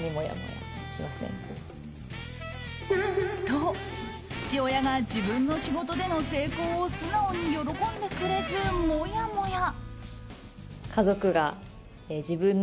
と、父親が自分の仕事での成功を素直に喜んでくれず、もやもや。